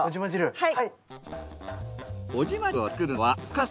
はい。